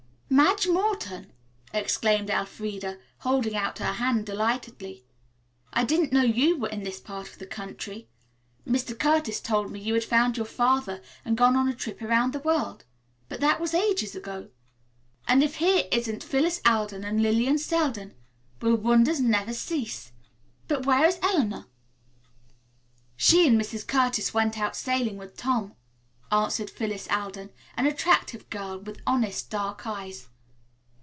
"Madge Morton!" exclaimed Elfreda, holding out her hand delightedly. "I didn't know you were in this part of the country. Mr. Curtis told me you had found your father and gone on a trip around the world, but that was ages ago. And if here isn't Phyllis Alden and Lillian Selden. Will wonders never cease? But where is Eleanor?" "She and Mrs. Curtis went out sailing with Tom," answered Phyllis Alden, an attractive girl with honest, dark eyes.